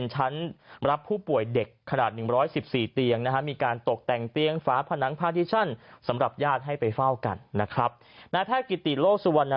เหมือนขอเขารักษาอะไรแบบเนี้ย